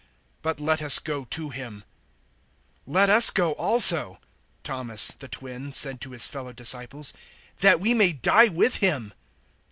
But let us go to him." 011:016 "Let us go also," Thomas, the Twin, said to his fellow disciples, "that we may die with him."